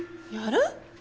やる？